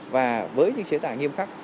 và với những chế tài nghiêm khắc